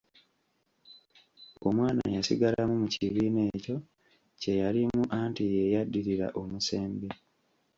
Omwana yasigalamu mu kibiina ekyo kye yalimu anti y'eyaddirira omusembi.